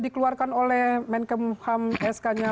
dikeluarkan oleh menkemham sknya